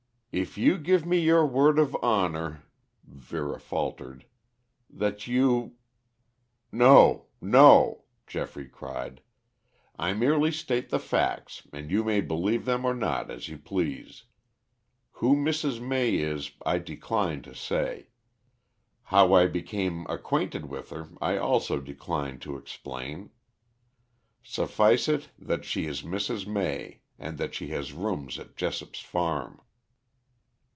"If you give me your word of honor," Vera faltered, "that you " "No, no," Geoffrey cried. "I merely state the facts and you may believe them or not as you please. Who Mrs. May is I decline to say. How I became, acquainted with her I also decline to explain. Suffice it that she is Mrs. May, and that she has rooms at Jessop's farm."